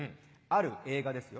ある映画ですよ。